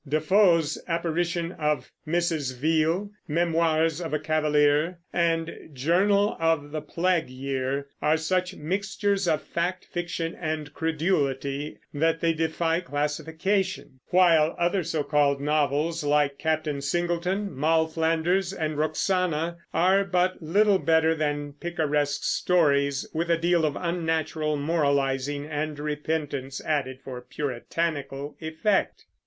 Defoe's Apparition of Mrs. Veal, Memoirs of a Cavalier, and Journal of the Plague Year are such mixtures of fact, fiction, and credulity that they defy classification; while other so called "novels," like Captain Singleton, Moll Flanders, and Roxana, are but, little better than picaresque stories, with a deal of unnatural moralizing and repentance added for puritanical effect.